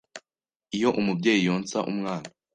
iyo umubyeyi yonsa umwana